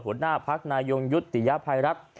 หัวหน้าพรรคนายยงยุทธ์ติยภัยรักษ์